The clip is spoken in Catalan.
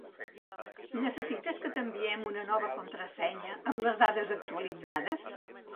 Necessites que t'enviem una nova contrasenya amb les dades actualitzades?